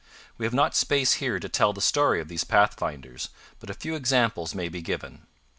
We have not space here to tell the story of these pathfinders, but a few examples may be given.